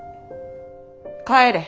帰れ。